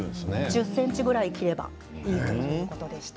１０ｃｍぐらい切ればいいということでした。